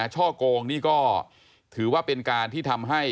ช่อกงนี่ก็ถือว่าเป็นการที่ทำให้